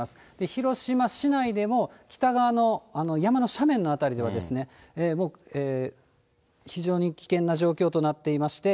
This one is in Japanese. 広島市内でも、北側の山の斜面の辺りでは、非常に危険な状況となっていまして、